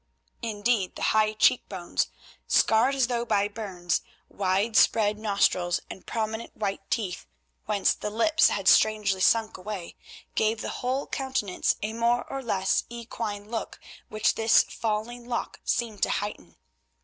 Indeed, the high cheekbones, scarred as though by burns, wide spread nostrils and prominent white teeth, whence the lips had strangely sunk away, gave the whole countenance a more or less equine look which this falling lock seemed to heighten.